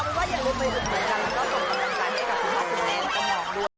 ก็กดกำลังกันให้กับคุณพ่อคุณแม่กำลังด้วย